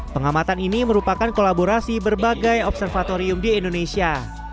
pengamatan ini merupakan kolaborasi berbagai observatorium di indonesia